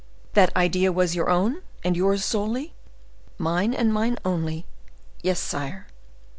"That idea is your own, and yours solely?" "Mine and mine only; yes, sire."